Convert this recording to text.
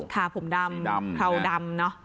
ค่ะผมดำเขาดำเนอะ